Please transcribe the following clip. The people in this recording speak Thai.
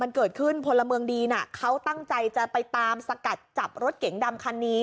มันเกิดขึ้นพลเมืองดีน่ะเขาตั้งใจจะไปตามสกัดจับรถเก๋งดำคันนี้